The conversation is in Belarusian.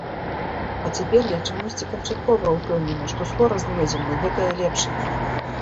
А цяпер я чамусьці канчаткова ўпэўнена, што скора знойдзем мы гэтае лепшае.